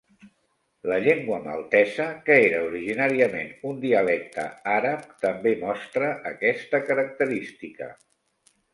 La llengua maltesa, que era originàriament un dialecte àrab, també mostra aquesta característica.